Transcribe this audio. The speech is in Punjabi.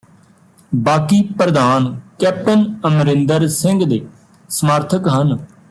ਬਾਕੀ ਪ੍ਰਧਾਨ ਕੈਪਟਨ ਅਮਰਿੰਦਰ ਸਿੰਘ ਦੇ ਸਮੱਰਥਕ ਹਨ